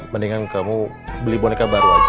mending kan kamu beli boneka baru aja